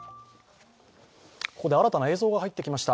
ここで新たな映像が入ってきました。